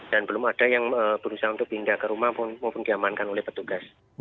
dan belum ada yang berusaha untuk pindah ke rumah maupun diamankan oleh petugas